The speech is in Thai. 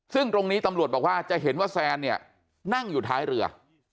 ซึ่งตรงนี้ตำรวจบอกว่าจะเห็นว่าแซนเนี่ยนั่งอยู่ท้ายเรือ